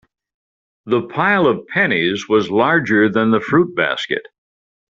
The pile of pennies was larger than the fruit basket.